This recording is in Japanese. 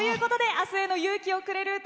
「明日への勇気をくれる歌」